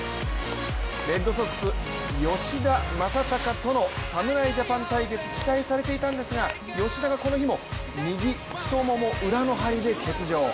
レッドソックス・吉田正尚との侍ジャパン対決期待されていたんですが吉田がこの日も右太もも裏の張りで欠場。